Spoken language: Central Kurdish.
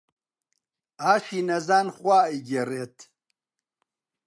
ئاشی نەزان خوا ئەیگێڕێت